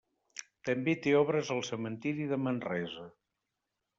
També té obres al cementiri de Manresa.